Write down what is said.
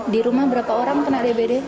di rumah berapa orang kena dbd